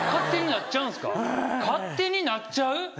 はい勝手になっちゃう？